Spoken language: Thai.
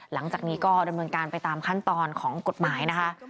หลังจากนี้ก็ดำเนินการไปตามขั้นตอนของกฎหมายนะคะ